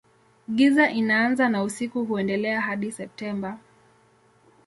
Giza inaanza na usiku huendelea hadi Septemba.